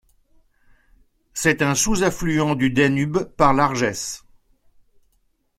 C'est un sous-affluent du Danube par l'Argeș.